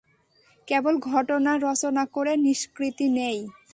কেবল ঘটনা রচনা করে নিষ্কৃতি নেই?